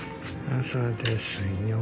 朝ですよ。